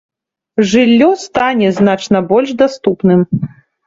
Жыллё стане значна больш даступным.